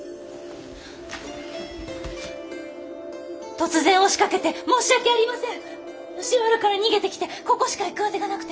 突然押しかけて申し訳ありません！吉原から逃げてきてここしか行く当てがなくて。